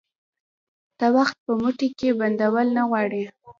ته وخت په موټې کي بندول نه غواړي